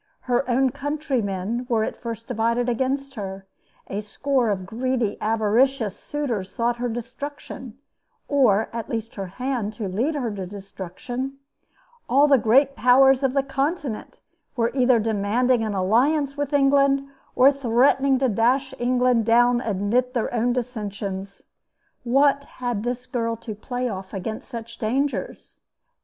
Her own countrymen were at first divided against her; a score of greedy, avaricious suitors sought her destruction, or at least her hand to lead her to destruction; all the great powers of the Continent were either demanding an alliance with England or threatening to dash England down amid their own dissensions. What had this girl to play off against such dangers?